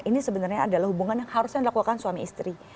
ini sebenarnya adalah hubungan yang harusnya dilakukan suami istri